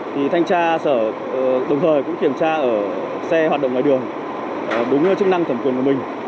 thì thanh tra sở đồng thời cũng kiểm tra ở xe hoạt động ngoài đường đúng chức năng thẩm quyền của mình